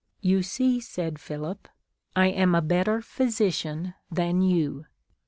You see, said Philip, I am a better physician than you.